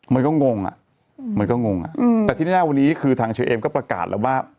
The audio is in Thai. มันก็งงอ่ะมันก็งงอ่ะอืมแต่ทีนี้หน้าวันนี้คือทางเชียร์เอ็มก็ประกาศแล้วว่า